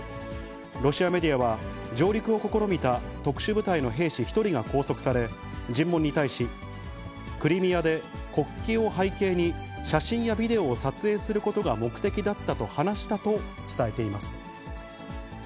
ロシアメディアは、上陸を試みた特殊部隊の兵士１人が拘束され、尋問に対し、クリミアで国旗を背景に写真やビデオを撮影することが目的だったと話したと伝えています。